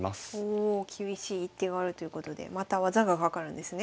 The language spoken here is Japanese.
厳しい一手があるということでまた技がかかるんですね。